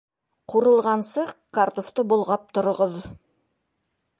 Ҡурылғансы картуфты болғап тороғоҙ